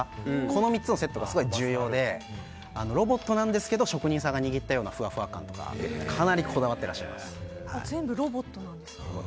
この３つのセットがすごく重要でロボットなんですけど職人さんが握ったようなふわふわ感とか全部ロボットなんですか？